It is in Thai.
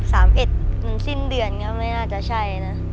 ๓๑นานสิ้นเดือนเนี่ยไม่น่าจะใช่นะ